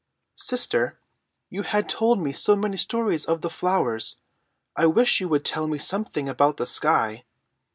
"Sister, you have told me so many stories of the flowers. I wish you would tell me something about the sky.